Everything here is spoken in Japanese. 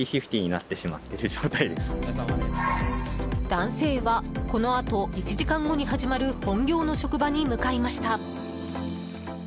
男性はこのあと１時間後に始まる本業の職場に向かいました。